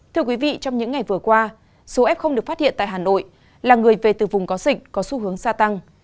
thưa quý vị trong những ngày vừa qua số f được phát hiện tại hà nội là người về từ vùng có dịch có xu hướng gia tăng